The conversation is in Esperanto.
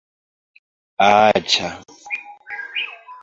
-Aĉa-